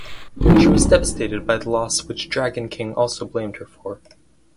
She was devastated by the loss which Dragon King also blamed her for.